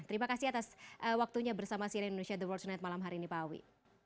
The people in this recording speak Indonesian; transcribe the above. terima kasih atas waktunya bersama siren indonesia the world tonight malam hari ini pak awi